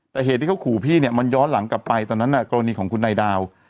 แต่เหตุที่เขาขู่พี่เนี่ยมันย้อนหลังกลับไปตอนนั้นกรณีของคุณนายดาว